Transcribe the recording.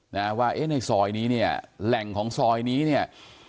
นะว่าเอ๊ะในซอยนี้เนี่ยแหล่งของซอยนี้เนี่ย